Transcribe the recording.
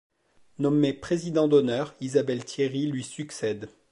Nommé président d'honneur, Isabelle Thierry lui succède.